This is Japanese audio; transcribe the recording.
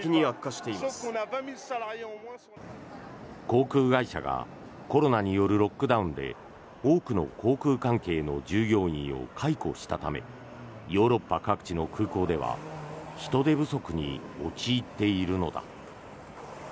航空会社がコロナによるロックダウンで多くの航空関係の従業員を解雇したためヨーロッパ各地の空港では人手不足に陥っているのだ。